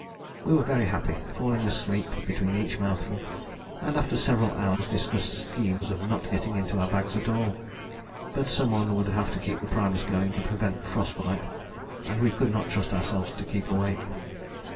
We were very happy, falling asleep between each mouthful, and after several hours discussed schemes of not getting into our bags at all. But some one would have to keep the primus going to prevent frost bite, and we could not trust ourselves to keep awake.